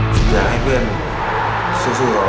เมื่อกี้เพื่อนเราแซวอะ